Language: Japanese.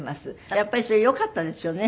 やっぱりそれよかったですよね。